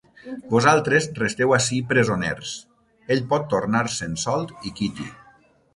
Vosaltres resteu ací presoners: ell pot tornar-se'n solt i quiti.